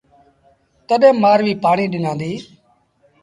تڏهيݩ مآرويٚ پآڻيٚ ڏنآݩديٚ۔